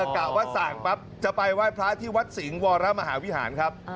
กะว่าสั่งปั๊บจะไปไหว้พระที่วัดสิงห์วรมหาวิหารครับ